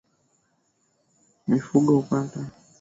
Mifugo hupata minyoo hii kutokana na ulaji wa nyasi zilizo na mayai